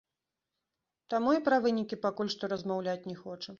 Таму і пра вынікі пакуль што размаўляць не хоча.